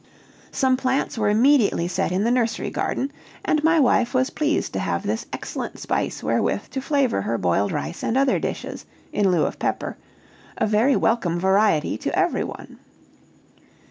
Some plants were immediately set in the nursery garden, and my wife was pleased to have this excellent spice wherewith to flavor her boiled rice and other dishes, in lieu of pepper a very welcome variety to everyone.